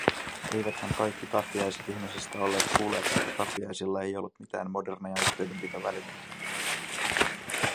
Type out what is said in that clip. Eiväthän kaikki tappiaiset ihmisistä olleet kuulleet, sillä tappiaisilla ei ollut mitään moderneja yhteydenpitovälineitä.